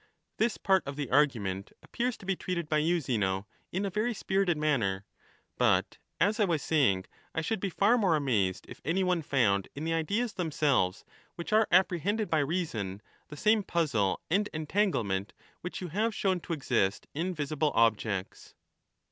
This part of the argument ^'*^^^' appears to be treated by you, Zeno, in a very spirited manner ;^^^^ but, as I was saying, I should be far more amazed if any one 130 found in the ideas themselves which are apprehended by reason, the same puzzle and entanglement which you have shown to exist in visible objects.